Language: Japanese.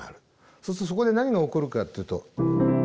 そうするとそこで何が起こるかっていうと。